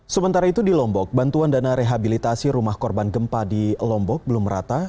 sementara itu di lombok bantuan dana rehabilitasi rumah korban gempa di lombok belum rata